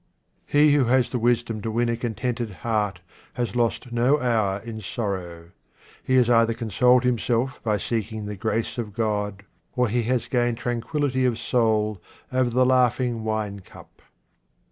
He who has the wisdom to win a contented heart has lost no hour in sorrow. He has either consoled himself by seeking the grace of God, or he has gained tranquillity of soul over the laughing wine cup.